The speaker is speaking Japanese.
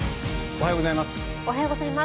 おはようございます。